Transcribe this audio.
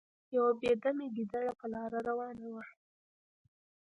یو بې دمه ګیدړه په لاره روانه وه.